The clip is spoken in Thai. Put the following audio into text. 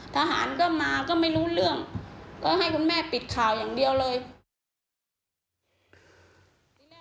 ทหารก็มาก็ไม่รู้เรื่องก็ให้คุณแม่ปิดข่าวอย่างเดียวเลย